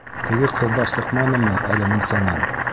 Теге ҡыҙҙар сыҡманымы әле мунсанан?